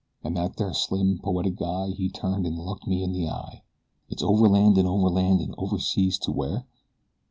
And then that slim, poetic guy he turned and looked me in the eye, "....It's overland and overland and overseas to where?"